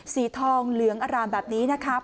สีทองเหลืองอร่ามแบบนี้นะครับ